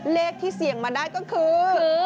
เลขที่เสี่ยงมาได้ก็คือ